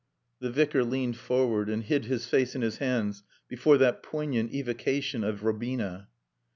The Vicar leaned forward and hid his face in his hands before that poignant evocation of Robina.